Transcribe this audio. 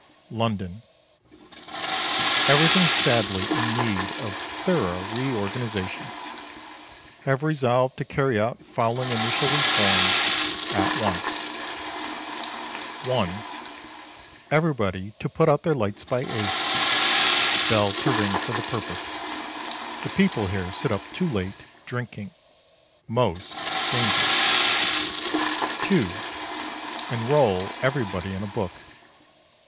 London. Everything sadly in need of thorough reorganisation. Have resolved to carry out following initial reforms at once: 1. Everybody to put out their lights by 8. Bell to ring for the purpose. The people here sit up too late, drinking. Most dangerous. 2. Enroll everybody in a book.